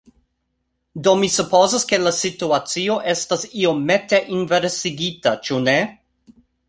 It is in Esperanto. Do mi supozas ke la situacio estas iomete inversigita ĉu ne?